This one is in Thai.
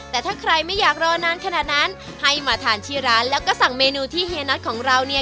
แต่ถ้าใครไม่อยากรอนานขนาดนั้นให้มาทานที่ร้านแล้วก็สั่งเมนูที่เฮียน็อตของเราเนี่ย